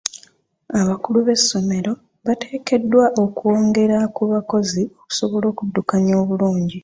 Abakulu b'essomero bateekeddwa okwongera ku bakozi okusobola okuddukanya obulungi.